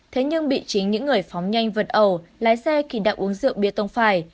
thế nhưng bị chính những người phóng nhanh vật ẩu lái xe khi đặt uống rượu bia tông phải